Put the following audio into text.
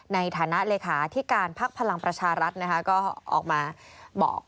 ในฐานะเลขาที่การพักพลังประชารัฐนะคะก็ออกมาบอก